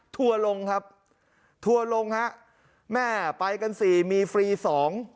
ทัวร์ลงครับทัวร์ลงฮะแม่ไปกันสี่มีฟรีสอง